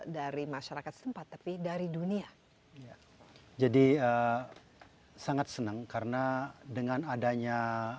dari masyarakat setempat tapi dari dunia jadi sangat senang karena dengan adanya